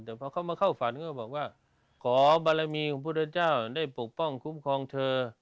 แต่พอเขามาเข้าฝันก็บอกว่าขอบารมีของพุทธเจ้าได้ปกป้องคุ้มครองเธอ